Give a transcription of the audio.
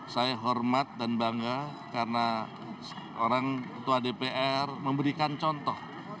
saya hormat dan bangga karena seorang ketua dpr memberikan contoh